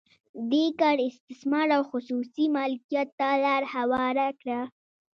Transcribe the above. دې کار استثمار او خصوصي مالکیت ته لار هواره کړه.